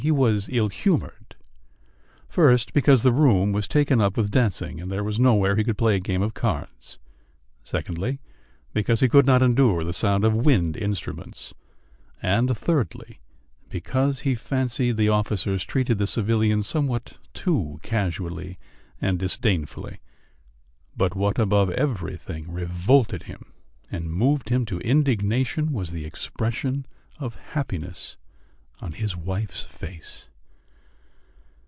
He was ill humoured first, because the room was taken up with dancing and there was nowhere he could play a game of cards; secondly, because he could not endure the sound of wind instruments; and, thirdly, because he fancied the officers treated the civilians somewhat too casually and disdainfully. But what above everything revolted him and moved him to indignation was the expression of happiness on his wife's face.